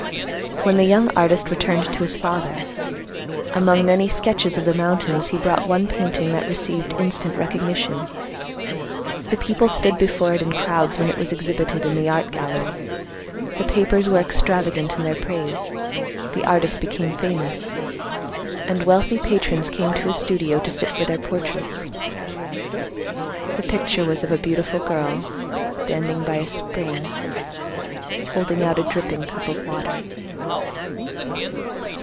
"When the young artist returned to his father, among many sketches of the mountains, he brought one painting that received instant recognition. The people stood before it in crowds when it was exhibited in the art gallery; the papers were extravagant in their praise; the artist became famous; and wealthy patrons came to his studio to sit for their portraits. The picture was of a beautiful girl, standing by a spring, holding out a dripping cup of water."